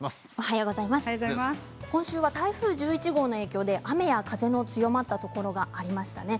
今週は台風１１号の影響で雨や風の強まったところがありましたね。